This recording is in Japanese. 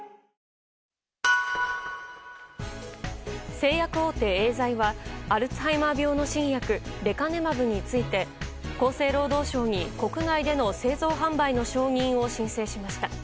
製薬大手エーザイはアルツハイマー病の新薬レカネマブについて厚生労働省に国内での製造・販売の承認を申請しました。